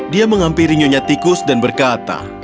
dia menghampiri nyonya tikus dan berkata